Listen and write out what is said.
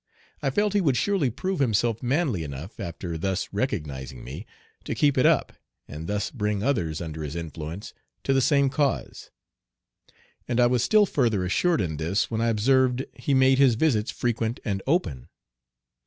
I felt he would surely prove himself manly enough, after thus recognizing me, to keep it up, and thus bring others under his influence to the same cause. And I was still further assured in this when I observed he made his visits frequent and open.